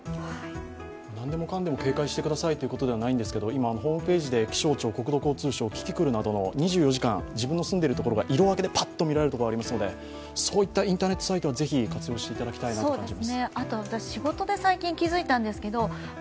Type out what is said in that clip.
何でもかんでも警戒してくださいということではないですが今、ホームページで気象庁、国交省、キキクルなどで２４時間、自分の住んでるところが色分けでぱっと見られるところがありますのでそういったインターネットサイトはぜひ活用してもらいたいと思います。